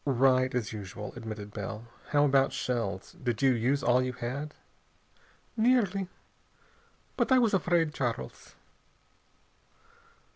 "Right, as usual," admitted Bell. "How about shells? Did you use all you had?" "Nearly. But I was afraid, Charles."